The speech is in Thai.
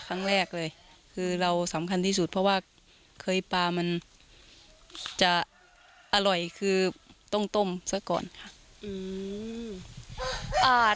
ครั้งแรกเลยคือเราสำคัญที่สุดเพราะว่าเคยปลามันจะอร่อยคือต้องต้มซะก่อนค่ะ